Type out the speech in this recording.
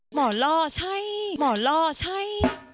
หมอล่อใช่หมอล่อใช่